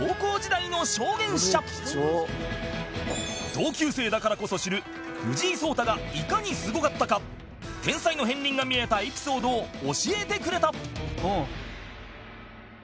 同級生だからこそ知る藤井聡太がいかにすごかったか天才の片鱗が見えたエピソードを教えてくれた